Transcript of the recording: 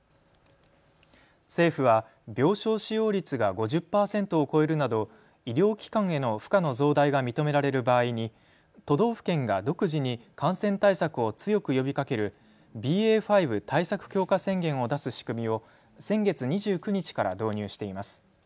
政府は病床使用率が５０％を超えるなど、医療機関への負荷の増大が認められる場合に都道府県が独自に感染対策を強く呼びかけるＢＡ．５対策強化宣言を出す仕組みを先月２９日から導入しています。